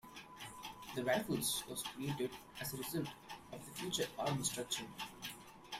The Rifles was created as a result of the Future Army Structure.